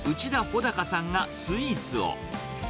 高さんがスイーツを。